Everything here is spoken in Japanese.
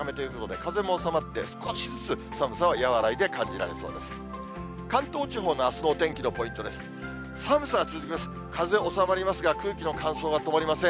風収まりますが、空気の乾燥が止まりません。